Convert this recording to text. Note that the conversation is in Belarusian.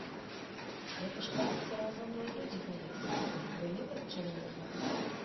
Гэта ж калісьці разумныя людзі павесілі, былі прычыны на гэта.